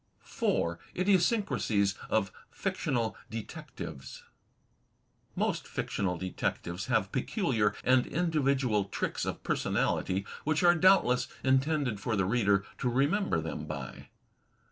164 THE TECHNIQUE OF THE MYSTERY STORY 4, Idiosyncrasies of Fictional Detectives Most fictional detectives have peculiar and individual tricks of personality which are doubtless intended for the reader to remember them by.